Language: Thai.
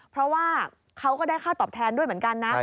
เพราะว่าเขาก็ได้ค่าตอบแทนด้วยเหมือนกันนะ